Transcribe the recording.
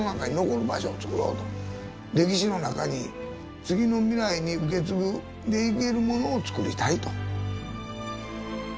歴史の中に次の未来に受け継いでいけるものをつくりたいと。